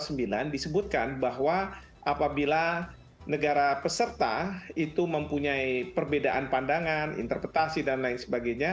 disebutkan bahwa apabila negara peserta itu mempunyai perbedaan pandangan interpretasi dan lain sebagainya